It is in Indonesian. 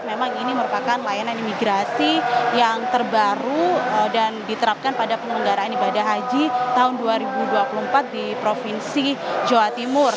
memang ini merupakan layanan imigrasi yang terbaru dan diterapkan pada penyelenggaraan ibadah haji tahun dua ribu dua puluh empat di provinsi jawa timur